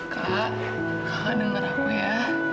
kak kak denger aku ya